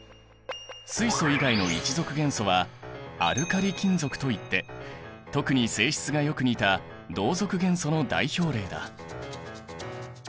水素以外の１族元素はアルカリ金属といって特に性質がよく似た同族元素の代表例だ。